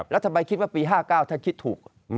แล้วทำไมคิดว่าปี๕๙ถ้าคิดถูก